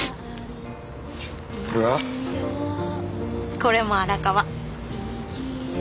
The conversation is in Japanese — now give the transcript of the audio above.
これも荒川。